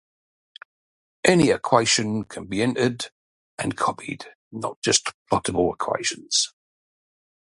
Any equation can be entered and copied, not just plottable equations.